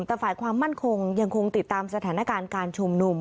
แต่ฝ่ายความมั่นคงยังคงติดตามสถานการณ์การชุมนุม